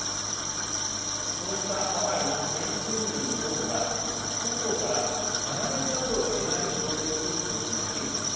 そうしたハワイの先住民の多くが故郷から離れざるをえない状況に追い込まれています。